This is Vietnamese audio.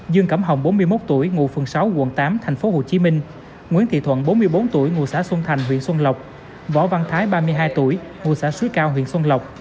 dương cẩm hồng bốn mươi một tuổi ngụ phường sáu quận tám tp hcm nguyễn thị thuận bốn mươi bốn tuổi ngụ xã xuân thành huyện xuân lộc võ văn thái ba mươi hai tuổi ngụ xã suối cao huyện xuân lộc